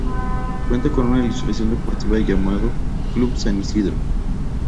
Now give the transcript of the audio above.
Cuenta con una institución deportiva llamado Club San Isidro.